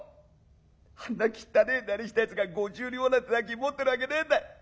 あんな汚えなりしたやつが５０両なんて大金持ってるわけねえんだ。